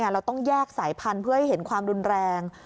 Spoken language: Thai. เราต้องแยกสายพันธุ์เพื่อให้เห็นความรุนแรง